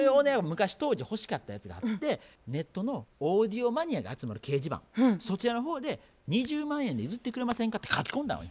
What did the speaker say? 昔当時欲しかったやつがあってネットのオーディオマニアが集まる掲示板そちらの方で「２０万円で譲ってくれませんか」って書き込んだんよ。